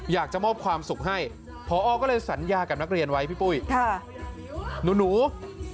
อยากจะมอบความสุขให้พอบอนบอกว่าก่อนอันนี้เด็กช่วยเหลือกิจกรรมของโรงเรียนมันหนักหน่วง